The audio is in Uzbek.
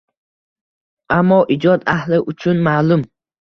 Ammo ijod ahli uchun ma’lum.